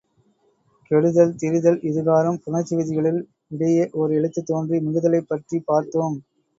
கெடுதல் திரிதல் இதுகாறும் புணர்ச்சி விதிகளுள், இடையே ஓர் எழுத்து தோன்றி மிகுதலைப் பற்றிப் பார்த்தோம்.